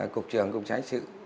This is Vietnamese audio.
cục trưởng cục trái sự